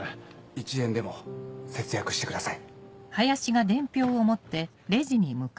１円でも節約してください。